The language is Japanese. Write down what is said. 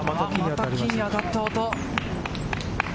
また木に当たった音。